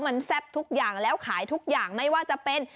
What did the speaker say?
มันแซ่บทุกอย่างแล้วขายทุกอย่างไม่ว่าจะเป็น